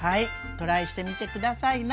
トライしてみて下さいな。